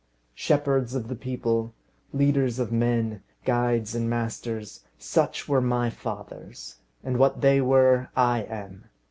Shepherds of the people, leaders of men, guides and masters, such were my fathers; and what they were I am!